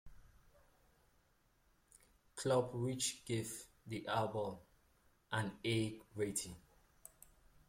Club, which gave the album an A- rating.